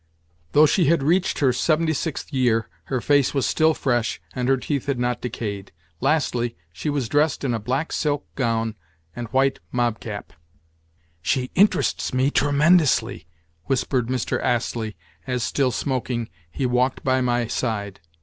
Though she had reached her seventy sixth year, her face was still fresh, and her teeth had not decayed. Lastly, she was dressed in a black silk gown and white mobcap. "She interests me tremendously," whispered Mr. Astley as, still smoking, he walked by my side.